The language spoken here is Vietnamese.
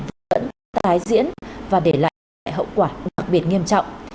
tài xế vẫn phải tái diễn và để lại hậu quả đặc biệt nghiêm trọng